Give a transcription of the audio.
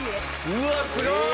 うわっすごい！